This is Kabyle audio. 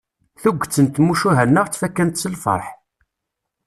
Tuget n tmucuha-nneɣ ttfakkant s lferḥ.